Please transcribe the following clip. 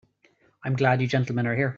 I'm glad you gentlemen are here.